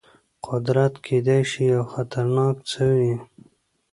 قدرت کېدای شي یو خطرناک څه وي.